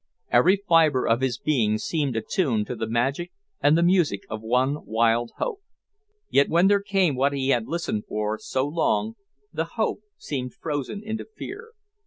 Every fibre of his being seemed attuned to the magic and the music of one wild hope. Yet when there came what he had listened for so long, the hope seemed frozen into fear.